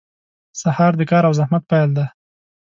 • سهار د کار او زحمت پیل دی.